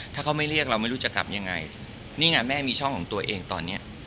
ถ้าเขาไม่เรียกเราไม่รู้จะกลับยังไงนี่ไงแม่มีช่องของตัวเองตอนเนี้ย